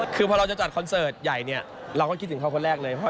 คือพอเราจะจัดคอนเสิร์ตใหญ่เนี่ยเราก็คิดถึงเขาคนแรกเลย